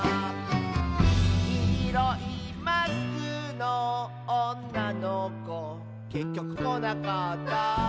「きいろいマスクのおんなのこ」「けっきょくこなかった」